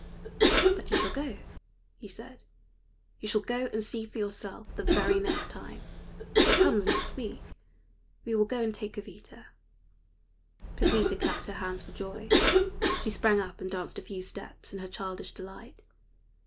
"But you shall go," he said; "you shall go and see for yourself the very next time. It comes next week. We will go and take Jovita." Pepita clapped her hands for joy. She sprang up and danced a few steps in her childish delight.